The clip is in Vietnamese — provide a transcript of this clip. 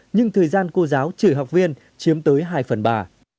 nhưng thời gian cô giáo chỉ học viên chiếm tới hai phần bà